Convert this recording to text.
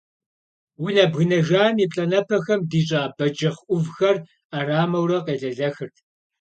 Унэ бгынэжам и плӏанэпэхэм дищӏа бэджыхъ ӏувхэр ӏэрамэурэ къелэлэхырт.